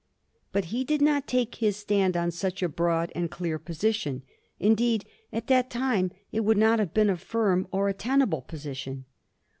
But he did not take his stand on such a broad and clear position ; indeed at that time it would not have been a firm or a tenable position.